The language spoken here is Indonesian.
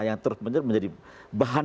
yang terus menerus menjadi bahan